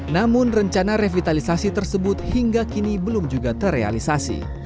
namun rencana revitalisasi tersebut hingga kini belum juga terrealisasi